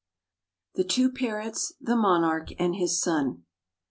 THE TWO PARROTS, THE MONARCH, AND HIS SON.